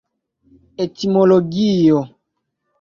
etimologio